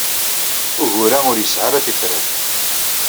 Ugur-a ur yesɛi ara tifrat.